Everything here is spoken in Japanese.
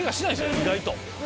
意外と。